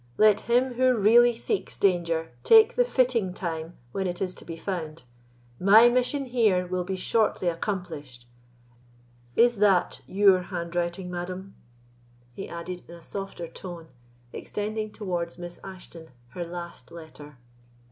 —let him who really seeks danger take the fitting time when it is to be found; my mission here will be shortly accomplished. Is that your handwriting, madam?" he added in a softer tone, extending towards Miss Ashton her last letter.